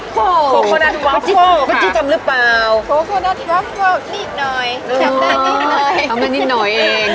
ก็จิดจำหรือเปล่านิดหน่อยแพบได้นิดหน่อยเอามันก็นิดหน่อยเอง